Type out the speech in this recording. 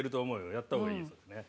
やった方がいいよそれね。